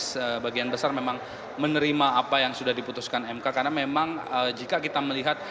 sebagian besar memang menerima apa yang sudah diputuskan mk karena memang jika kita melihat